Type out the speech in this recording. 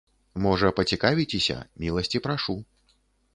Можа, пацікавіцеся, міласці прашу.